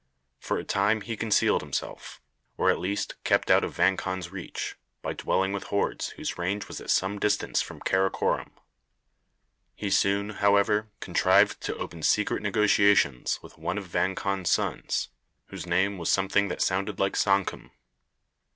For a time he concealed himself, or at least kept out of Vang Khan's reach, by dwelling with hordes whose range was at some distance from Karakorom. He soon, however, contrived to open secret negotiations with one of Vang Khan's sons, whose name was something that sounded like Sankum.